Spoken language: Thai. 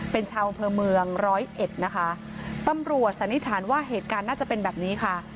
เป็นชาวอำเภอเมืองร้อยเอ็ดนะคะตำรวจสันนิษฐานว่าเหตุการณ์น่าจะเป็นแบบนี้ค่ะ